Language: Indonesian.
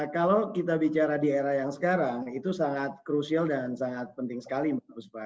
kalau kita bicara di era yang sekarang itu sangat krusial dan sangat penting sekali mbak puspa